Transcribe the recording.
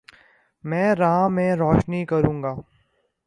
میں راہ میں روشنی کرونگا